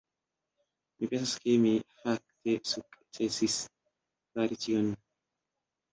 Mi pensas ke mi fakte sukcesis fari tion.